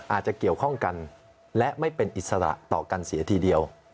อาจจะเกี่ยวข้องกันและไม่เป็นอิสระต่อกันเสียทีเดียว